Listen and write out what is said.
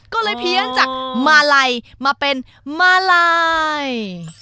ก็เลยเพี้ยนจากมาลัยมาเป็นมาลัย